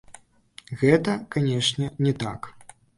Гэта, канечне, не так.